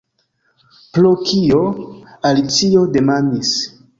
"Pro kio?" Alicio demandis.